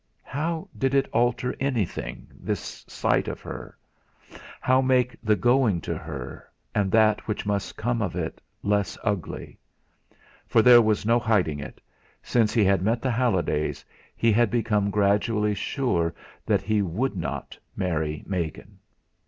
How did it alter anything this sight of her? How make the going to her, and that which must come of it, less ugly? For there was no hiding it since he had met the Hallidays he had become gradually sure that he would not marry Megan.